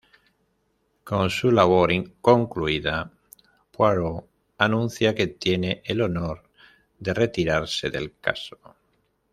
Con su labor concluida, Poirot anuncia que tiene "el honor de retirarse del caso".